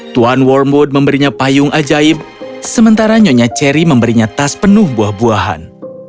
tuan wormwood memberinya payung ajaib sementara nyonya cherry memberinya tas penuh buah buahan